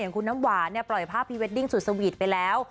คุณน้ำหวานปล่อยภาพพรีเวดดิ้งสุดสวีทไปแล้ว